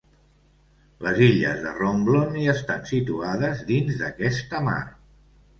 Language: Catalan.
Les illes de Romblon hi estan situades dins d'aquesta mar.